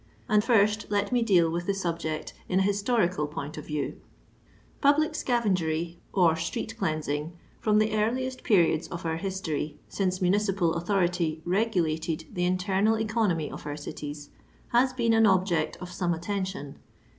And first let me deal with the subject in a his torical {>oint of view. Public scavengery or street cleansing, from the earliest periods of our history, since municipal authority regulated the internal economy of our cities, lias been an object of some attention.